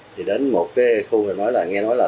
thì đến một cái khu là nghe nói là